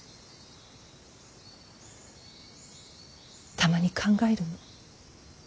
たまに考えるの。